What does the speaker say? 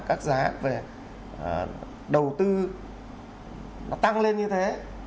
các giá về đầu tư tăng lên như thế